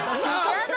やだ。